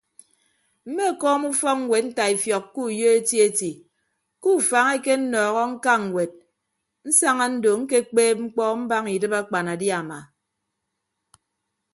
Mmekọọm ufọkñwed ntaifiọk ke uyo eti eti ke ufañ ekenọọhọ ñka ñwed nsaña ndo ñkekpeeb mkpọ mbaña idịb akpanadiama.